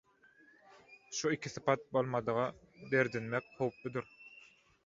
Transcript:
Şu iki sypat bolmadyga derdinmek howpludyr.